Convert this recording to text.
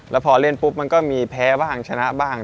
แล้วพอเล่นปุ๊บมันก็มีแพ้บ้างชนะบ้าง